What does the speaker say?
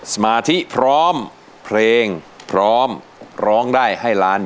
สมาธิพร้อมเพลงพร้อมร้องได้ให้ล้าน